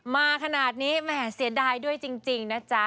มาขนาดนี้แหมเสียดายด้วยจริงนะจ๊ะ